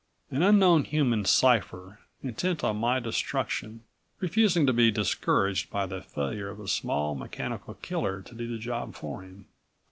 An unknown human cipher intent on my destruction, refusing to be discouraged by the failure of a small mechanical killer to do the job for him.